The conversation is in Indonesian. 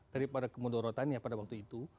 daripada kemudorotannya pada waktu itu